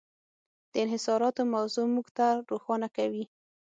د انحصاراتو موضوع موږ ته روښانه کوي.